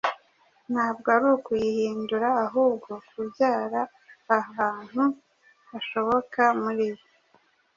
ntabwo ari ukuyihindura ahubwo kubyara ahantu hashoboka muri yo.